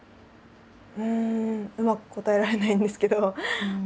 うんうまく答えられないんですけど。